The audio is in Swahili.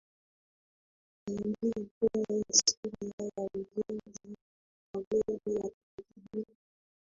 tutaingia kwenye historia ya ujenzi wa meli ya titanic